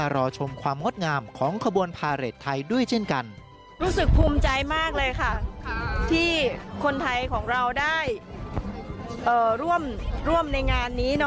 เราได้ร่วมในงานนี้